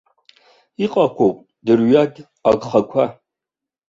Иҟақәоуп дырҩегь агхақәа.